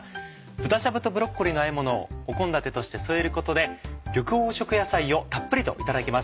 豚しゃぶとブロッコリーのあえものを献立として添えることで緑黄色野菜をたっぷりといただけます。